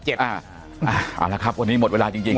เอาละครับวันนี้หมดเวลาจริง